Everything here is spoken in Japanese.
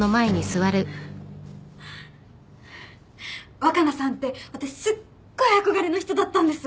若菜さんって私すっごい憧れの人だったんです。